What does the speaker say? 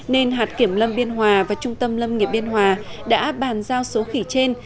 nên hạt kiểm lâm biên hòa và trung tâm lâm nghịa biên hòa đã bàn giao số khỉ trên